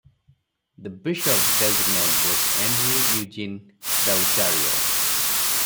The Bishop-Designate is Andrew Eugene Bellisario.